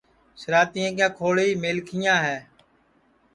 سِراتیے کیاں کھوݪی میلکھیاں ہے